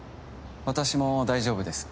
私も大丈夫です。